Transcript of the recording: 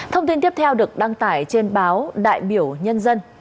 thông tin tiếp theo được đăng tải trên báo đại biểu nhân dân